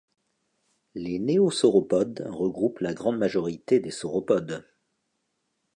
Les néosauropodes regroupent la grande majorité des sauropodes.